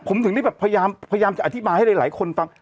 ผมถึงได้แบบพยายามจะอธิบายให้หลายคนฟัง